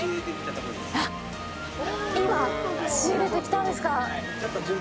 今、仕入れてきたんですか？